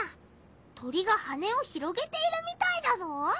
鳥が羽を広げているみたいだぞ！